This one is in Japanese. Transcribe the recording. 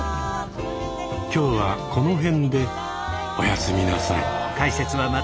今日はこの辺でおやすみなさい。